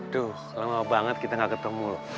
duh lama banget kita gak ketemu loh